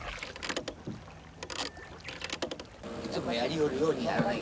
いつもやりよるようにやらないかん。